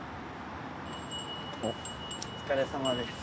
お疲れさまです。